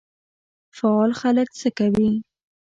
فعال خلک څه کوي؟